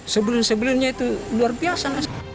sebelum sebelumnya itu luar biasa